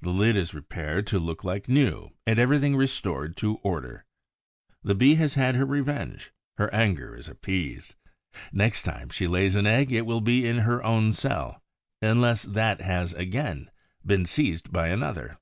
The lid is repaired to look like new and everything restored to order. The Bee has had her revenge; her anger is appeased. Next time she lays an egg it will be in her own cell, unless that has again been seized by another.